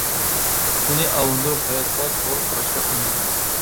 ئۇنى ئاۋۇندۇرۇپ ھاياتقا توغرا قاراشقا ئۈندىدىم.